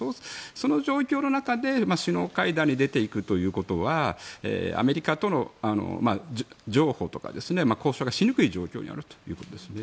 その状況の中で首脳会談に出ていくということはアメリカとの、譲歩とか交渉がしにくい状況にあるということですね。